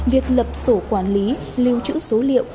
việc lập sổ quản lý lưu trữ số liệu